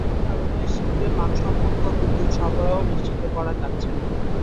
কিন্তু সঞ্চালন লাইনের কারণে শিল্পে মানসম্মত বিদ্যুৎ সরবরাহ নিশ্চিত করা যাচ্ছে না।